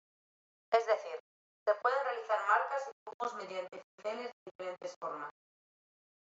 Es decir, se pueden realizar marcas y dibujos mediante cinceles de diferentes formas.